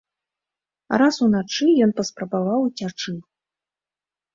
Раз уначы ён паспрабаваў уцячы.